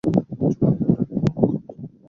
যোগেন্দ্র ডাকিল, অক্ষয়!